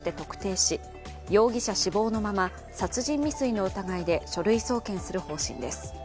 警視庁は男を容疑者として特定し容疑者死亡のまま殺人未遂の疑いで書類送検する方針です。